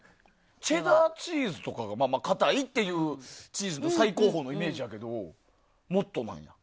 チェダーチーズとかはかたいチーズの最高峰のイメージやけどもっとなんや。